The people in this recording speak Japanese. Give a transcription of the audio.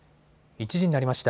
１時になりました。